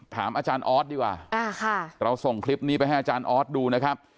ถามอาจารย์ออสดีกว่าเราส่งคลิปนี้ไปให้อาจารย์ออสดูนะครับ